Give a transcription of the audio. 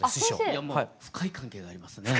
いやもう深い関係がありますね。